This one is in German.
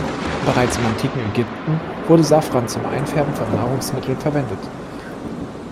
Bereits im antiken Ägypten wurde Safran zum Einfärben von Nahrungsmitteln verwendet.